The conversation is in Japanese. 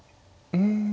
うん。